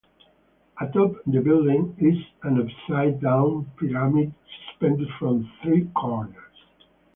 Atop the building is an upside-down pyramid suspended from the three corners.